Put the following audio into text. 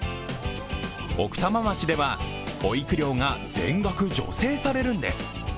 奥多摩町では保育料が全額助成されるんです。